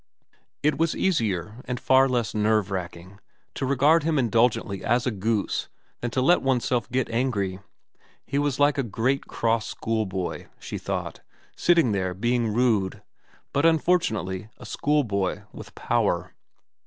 It was easier, and far less nerve racking, to regard him indulgently as a goose than to let oneself get angry. He was like a great cross schoolboy, she thought, sitting there being rude ; but unfortunately a schoolboy with power.